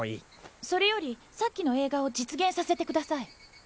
それよりさっきの映画を実現させてください。